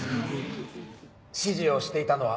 指示をしていたのは。